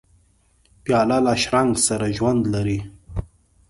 پیاله له شرنګ سره ژوند لري.